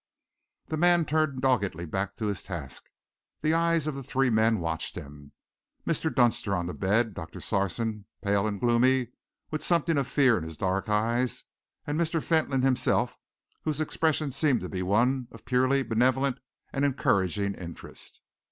The man turned doggedly back to his task. The eyes of the three men watched him Mr. Dunster on the bed; Doctor Sarson, pale and gloomy, with something of fear in his dark eyes; and Mr. Fentolin himself, whose expression seemed to be one of purely benevolent and encouraging interest.